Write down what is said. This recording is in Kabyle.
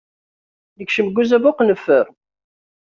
Nekcem deg uzabuq neffer.